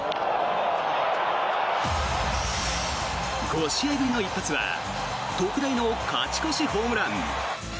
５試合ぶりの一発は特大の勝ち越しホームラン。